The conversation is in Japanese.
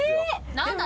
何だ？